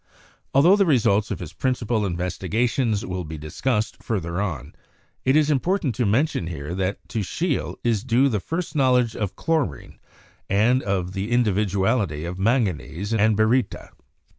Altho the results of his principal investigations will be discussed further on, it is important to mention here that to Scheele is due the first knowledge of chlorine and of the individuality of manganese and baryta.